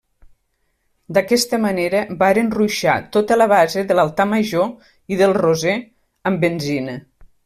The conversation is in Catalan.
D'aquesta manera varen ruixar tota la base de l'altar major i del Roser amb benzina.